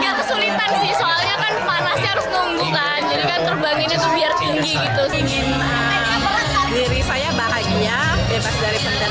nunggu kan jadi kan terbang ini tuh biar tinggi gitu sih diri saya bahagia bebas dari penerimaan